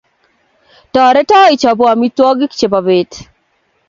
Toreto ichopwo amitwogik chebo pet